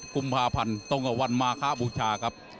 กุมภาพันธ์ตรงกับวันมาคะบูชาครับ